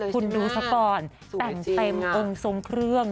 คุณดูสะปอนแต่งเต็มเอิงทรงเครื่อง